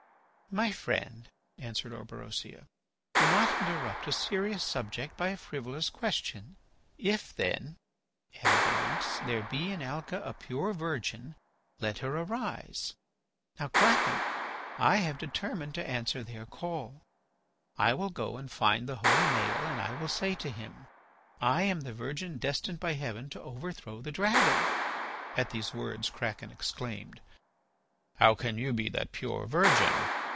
"My friend," answered Orberosia, "do not interrupt a serious subject by frivolous questions. ... 'If, then,' added the monks, 'there be in Alca a pure virgin, let her arise!' Now, Kraken, I have determined to answer their call. I will go and find the holy Maël and I will say to him: 'I am the virgin destined by Heaven to overthrow the dragon.'" At these words Kraken exclaimed: "How can you be that pure virgin?